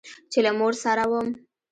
چې له مور سره وم.